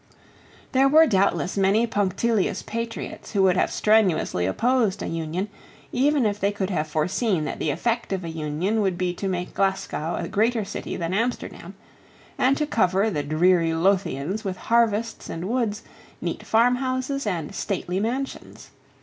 There were doubtless many punctilious patriots who would have strenuously opposed an union even if they could have foreseen that the effect of an union would be to make Glasgow a greater city than Amsterdam, and to cover the dreary Lothians with harvests and woods, neat farmhouses and stately mansions.